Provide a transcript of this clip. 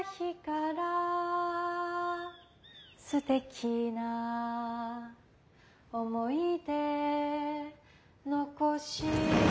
「すてきな思い出残し」